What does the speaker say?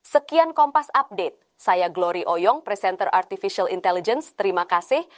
sekian kompas update saya glory oyong presenter artificial intelligence terima kasih